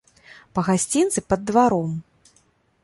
Па гасцінцы пад дваром.